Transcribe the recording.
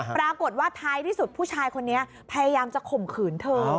ปรากฏว่าท้ายที่สุดผู้ชายคนนี้พยายามจะข่มขืนเธอ